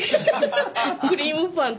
クリームパン。